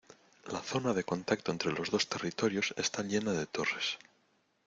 La zona de contacto entre los dos territorios está llena de torres.